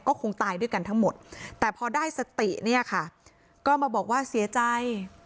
ก็คงตายด้วยกันทั้งหมดแต่พอได้สติเนี่ยค่ะก็มาบอกว่าเสียใจ